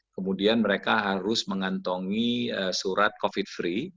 kemudian mereka harus mengantongi surat covid free